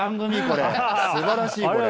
すばらしいこれ。